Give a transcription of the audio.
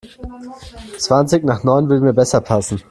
Zwanzig nach neun würde mir besser passen.